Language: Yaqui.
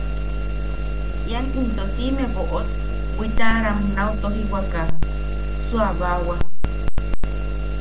Ian into siʼime boʼot bwitaʼaram nau tojiwaka suʼabaawa.